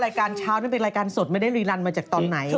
รายการเช้านั่นเป็นรายการสดไม่ได้รีรันมาจากตอนไหน